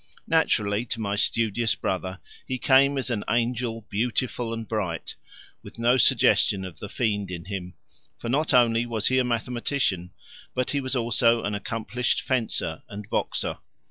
Naturally, to my studious brother he came as an angel beautiful and bright, with no suggestion of the fiend in him; for not only was he a mathematician, but he was also an accomplished fencer and boxer.